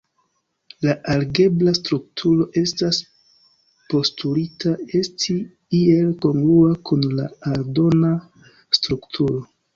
La algebra strukturo estas postulita esti iel kongrua kun la aldona strukturo.